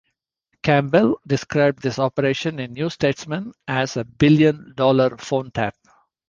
Campbell described this operation in "New Statesman" as a "billion dollar phone tap".